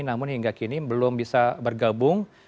namun hingga kini belum bisa bergabung